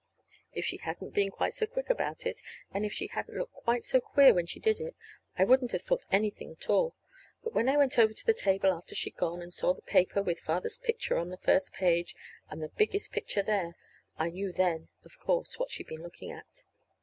If she hadn't been quite so quick about it, and if she hadn't looked quite so queer when she did it, I wouldn't have thought anything at all. But when I went over to the table after she had gone, and saw the paper with Father's picture right on the first page and the biggest picture there I knew then, of course, what she'd been looking at.